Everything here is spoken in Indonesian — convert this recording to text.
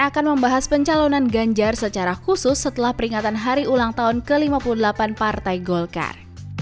akan membahas pencalonan ganjar secara khusus setelah peringatan hari ulang tahun ke lima puluh delapan partai golkar